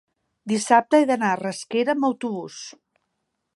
dissabte he d'anar a Rasquera amb autobús.